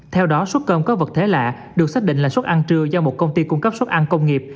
theo đó xuất cơm có vật thể lạ được xác định là xuất ăn trưa do một công ty cung cấp xuất ăn công nghiệp